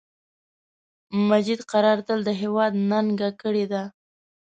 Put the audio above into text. مجید قرار تل د هیواد ننګه کړی ده